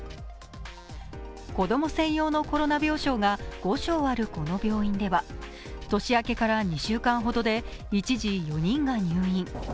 子供占用のコロナ病床が５床あるこの病院では年明けから２週間ほどで一時、４人が入院。